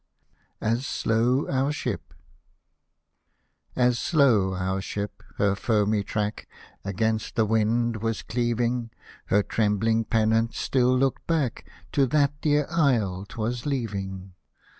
AS SLOW OUR SHIP As slow our ship her foamy track Against the wind was cleaving. Her trembling pennant still looked back To that dear isle 'twas leaving.